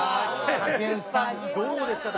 どうですか？